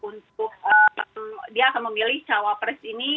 untuk dia akan memilih cawa pres ini